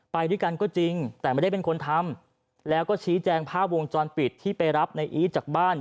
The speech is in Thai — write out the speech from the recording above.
ไปด้วยกันก็จริงแต่ไม่ได้เป็นคนทำแล้วก็ชี้แจงภาพวงจรปิดที่ไปรับในอีทจากบ้าน